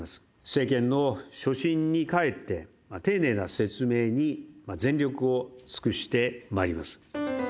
政権の初心に帰って、丁寧な説明に全力を尽くしてまいります。